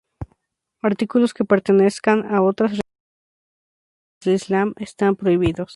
Artículos que pertenezcan a otras religiones que no sean el islam están prohibidos.